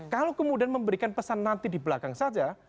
kalau kemudian memberikan pesan nanti di belakang saja